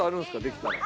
できたら。